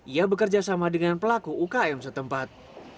ia bekerja sama dengan pelaku ukm setempat